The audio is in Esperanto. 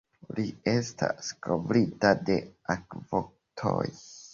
Li estas kovrita de akvogutoj.